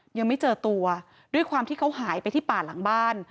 ยังไม่เจอตัวด้วยความที่เขาหายไปที่ป่าหลังบ้าน